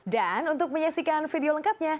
dan untuk menyaksikan video lengkapnya